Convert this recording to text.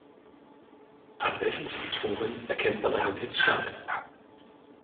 An welchen Symptomen erkennt man einen Hitzschlag?